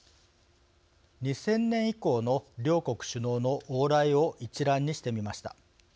２０００年以降の両国首脳の往来を一覧にしてみました。